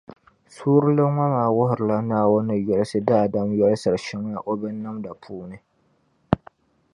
Suurili ŋɔ maa wuhirila Naawuni ni yolisi daadam yolisiri shεŋa o binnamda puuni.